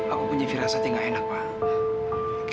aku punya firasat yang gak enak pak